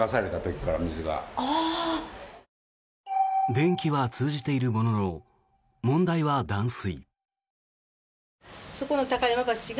電気は通じているものの問題は断水。